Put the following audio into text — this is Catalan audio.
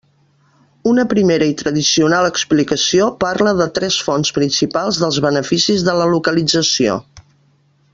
Una primera i tradicional explicació parla de tres fonts principals dels beneficis de la localització.